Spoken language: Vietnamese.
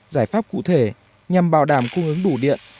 giải pháp cụ thể nhằm bảo đảm cung ứng đủ điện